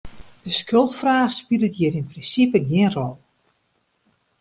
De skuldfraach spilet hjir yn prinsipe gjin rol.